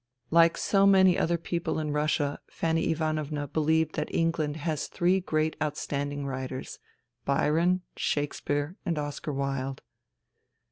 ...'* Like so many other people in Russia, Fanny Ivanovna believed that England has three great outstanding writers : Byron, Shakespeare, and Oscar Wilde.